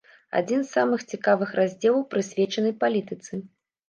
Адзін з самых цікавых раздзелаў прысвечаны палітыцы.